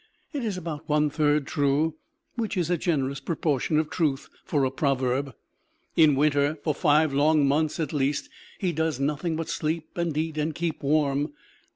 It is about one third true, which is a generous proportion of truth for a proverb. In winter, for five long months at least, he does nothing but sleep and eat and keep warm.